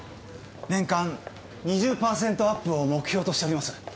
年間２０％アップを目標としております